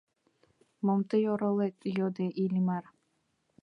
— Мом тый оролет? — йодо Иллимар.